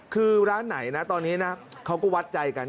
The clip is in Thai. คือร้านไหนนะตอนนี้นะเขาก็วัดใจกัน